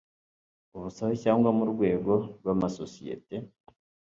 ubusabe cyangwa mu rwego rw amasosiyete